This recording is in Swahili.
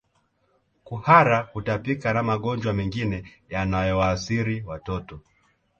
Kuhara kutapika na magonjwa mengine yanayowaathiri watoto